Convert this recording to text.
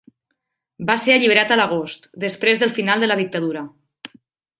Va ser alliberat a l'agost, després del final de la dictadura.